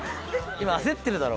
今焦ってるだろ？